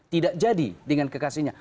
tidak jadi dengan kekasihnya